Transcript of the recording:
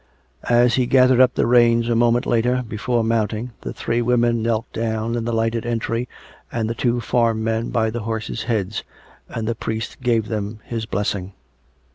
As he gathered up the reins a moment later, before mount ing, the three women kneeled down in the lighted entry and the two farm men by the horses' heads, and the priest gave them his blessing.